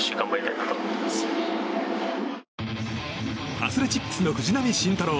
アスレチックスの藤浪晋太郎。